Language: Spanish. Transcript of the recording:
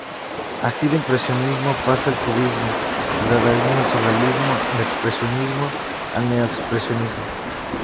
Así del impresionismo pasa al cubismo, al dadaísmo, al surrealismo, al expresionismo, al neo-expresionismo.